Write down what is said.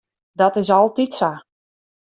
Dat is altyd sa.